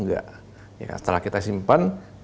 setelah kita simpan nanti kita login lagi dia akan tanya